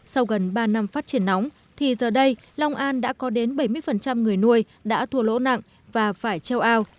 sau gần ba năm phát triển nóng thì giờ đây long an đã có đến bảy mươi người nuôi đã thua lỗ nặng và phải treo ao